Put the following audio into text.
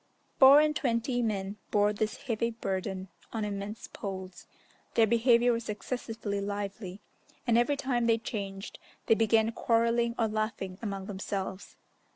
Four and twenty men bore this heavy burden on immense poles: their behaviour was excessively lively, and every time they changed, they began quarrelling or laughing among themselves.